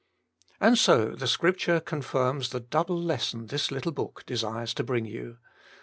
And so the Scripture confirms the double lesson this little book desires to bring you.